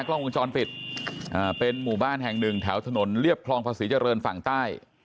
กล้องวงจรปิดเป็นหมู่บ้านแห่งหนึ่งแถวถนนเรียบคลองภาษีเจริญฝั่งใต้